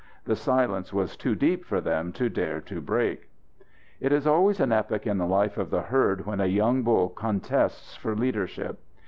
The silence was too deep for them to dare to break. It is always an epoch in the life of the herd when a young bull contests for leadership.